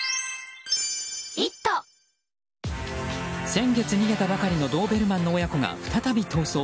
先月逃げたばかりのドーベルマンの親子が再び逃走。